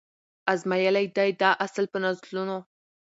آزمیېلی دی دا اصل په نسلونو